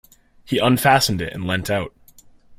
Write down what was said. He unfastened it, and leant out.